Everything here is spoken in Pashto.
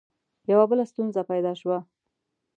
یوه بله ستونزه پیدا شوه.